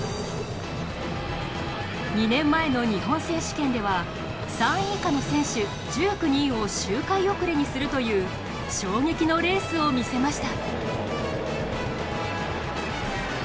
２年前の日本選手権では３位以下の選手１９人を周回遅れにするという衝撃のレースを見せました。